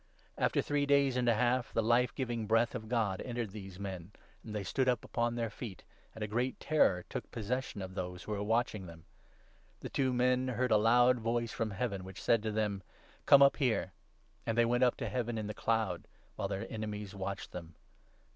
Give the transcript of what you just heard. After three 1 1 days and a half ' the life giving breath of God entered these men, and they stood up upon their feet,' and a great terror took possession of those who were watching them. The two 12 men heard a loud voice from Heaven which said to them — 'Come up here,' and they went up to Heaven in the cloud, while their enemies watched them.